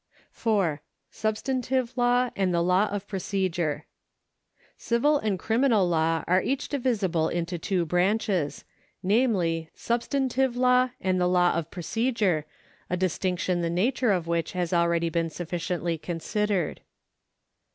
4. Substantive Law and the Lata of Procedure. Civil and criminal law are each divisible into two branches, namely substantive law and the law of procedure, a distinction the nature of which has already been sufficiently considered.